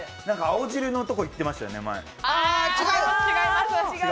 青汁のとこ行ってましたよね、前。